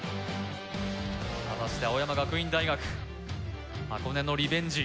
果たして青山学院大学箱根のリベンジ